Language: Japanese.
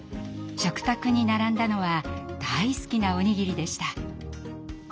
食卓に並んだのは大好きなおにぎりでした。